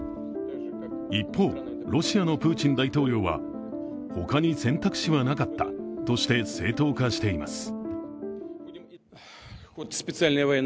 一方、ロシアのプーチン大統領は他に選択肢はなかったとして正当化しています。